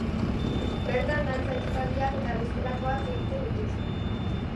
Bertan dantza-ekitaldiak eta bestelakoak egiten dituzte.